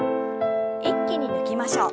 一気に抜きましょう。